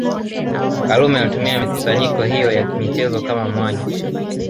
Karume alitumia mikusanyiko hiyo ya michezo kama mwanya